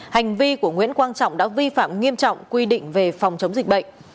hành vi của nguyễn quang trọng đã vi phạm nghiêm trọng quy định về phòng chống dịch bệnh